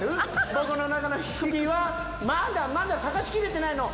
僕の中の「ヒクピ」はまだまだ探しきれてないの。